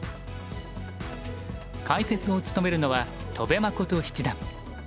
解説を務めるのは戸辺誠七段。